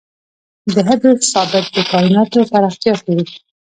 د هبل ثابت د کائناتو پراختیا ښيي.